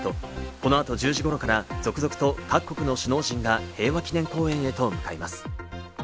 この後１０時ごろから続々と各国の首脳陣が平和記念公園へと向かいます。